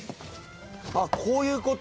あっこういうこと？